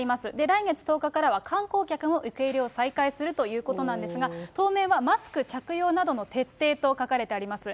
来月１０日からは、観光客も受け入れを再開するということなんですが、当面はマスク着用などの徹底と書かれてあります。